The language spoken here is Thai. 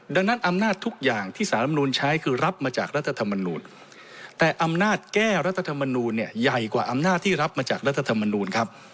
ดังนั้นอำนาจทุกอย่างที่สารรำนูลใช้คือรับมาจากรัฐธรรมนูลแต่อำนาจแก้รัฐธรรมนูลเนี่ยใหญ่กว่าอำนาจที่รับมาจากรัฐธรรมนูลครับ